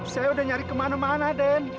saya udah nyari kemana mana den